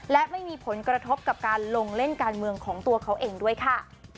และไม่มีผลกระทบกับการลงเล่นการเมืองของตัวเขาเองด้วยค่ะ